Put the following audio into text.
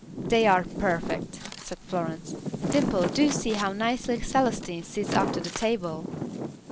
"They are perfect," said Florence. "Dimple, do see how nicely Celestine sits up to the table."